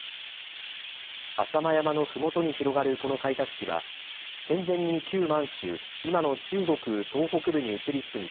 浅間山のふもとに広がるこの開拓地は戦前に旧満州、今の中国東北部に移り住み